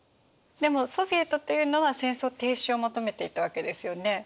でもソヴィエトというのは戦争停止を求めていたわけですよね？